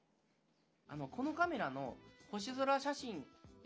このカメラの星空写真。